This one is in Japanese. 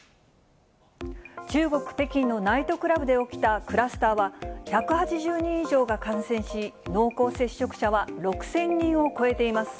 中国・北京のナイトクラブで起きたクラスターは、１８０人以上が感染し、濃厚接触者は６０００人を超えています。